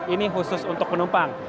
ini khusus untuk penumpang